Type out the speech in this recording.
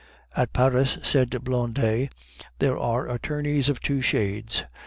"At Paris," said Blondet, "there are attorneys of two shades.